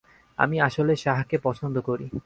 আমি আসলে শাহকে পছন্দ করি।